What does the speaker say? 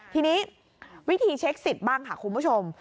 ทีนี้วิธีเช็คสิทธิ์บ้างค่ะคุณผู้ชม